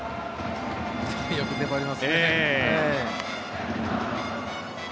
よく粘りますね。